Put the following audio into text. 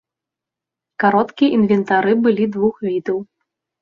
Кароткія інвентары былі двух відаў.